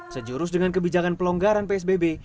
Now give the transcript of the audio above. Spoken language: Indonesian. sejurus dengan kebijakan pelonggaran psbb